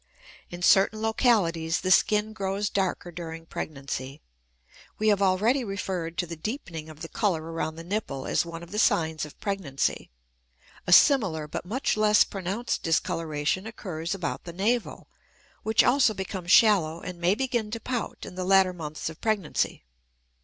In certain localities the skin grows darker during pregnancy. We have already referred to the deepening of the color around the nipple as one of the signs of pregnancy; a similar but much less pronounced discoloration occurs about the navel, which also becomes shallow and may begin to pout in the latter months of pregnancy.